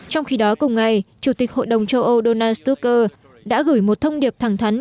trong khi đó cùng ngày chủ tịch hội đồng châu âu donald stoker đã gửi một thông điệp thẳng thắn